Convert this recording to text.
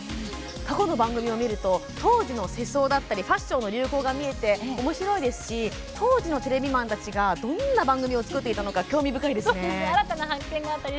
過去の番組を見ると当時の世相だったりファッションの流行が見えておもしろいですし当時のテレビマンたちがどんな番組を作っていたのかというのも興味深いですね。